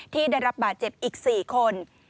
ที่ได้รับบาดเจ็บอีก๔คน